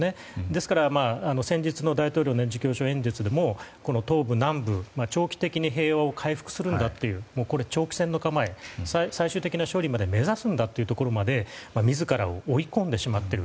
ですから、先日の大統領の年次教書演説でも東部、南部長期的に平和を回復するんだと。これは長期戦の構え最終的な勝利まで目指すんだというところまで自らを追い込んでしまっている。